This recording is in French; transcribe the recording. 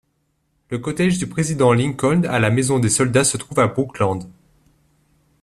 Le Cottage du Président Lincoln à la Maison des Soldats se trouve à Brookland.